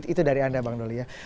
itu dari anda bang doli ya